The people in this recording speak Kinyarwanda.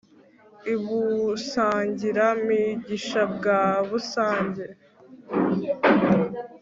i busangira-migisha bwa busage